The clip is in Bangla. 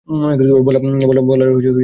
বলার চিন্তাও করি নি।